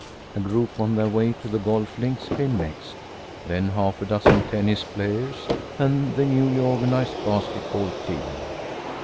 A group on their way to the golf links came next, then half a dozen tennis players, and the newly organized basket ball team.